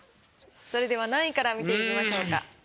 それでは何位から見ていきましょうか？